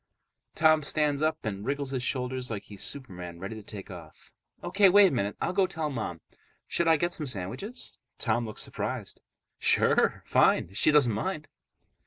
Tom stands up and wriggles his shoulders like he's Superman ready to take off. "O.K. Wait a minute. I'll go tell Mom. Should I get some sandwiches?" Tom looks surprised. "Sure, fine, if she doesn't mind."